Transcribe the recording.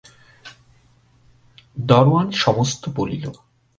দরোয়ান সমস্ত বলিল।